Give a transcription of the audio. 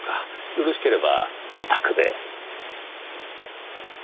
よろしければお宅で。